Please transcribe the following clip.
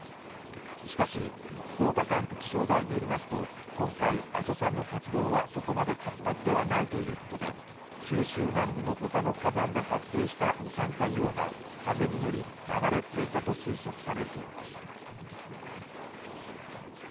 しかし、福岡管区気象台によりますと、今回、阿蘇山の活動はそこまで活発ではないということで九州南部の他の火山で発生した二酸化硫黄が風に乗り流れ着いたと推測されるそうです。